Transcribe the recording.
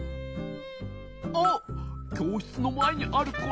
あっきょうしつのまえにあるこれはなに？